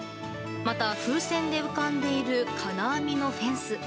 また、風船で浮かび上げられた金網のフェンス。